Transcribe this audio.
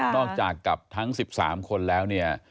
นอกจากกับทั้งสิบสามคนแล้วเนี่ย